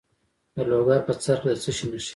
د لوګر په څرخ کې د څه شي نښې دي؟